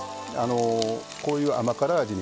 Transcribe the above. こういう甘辛味にね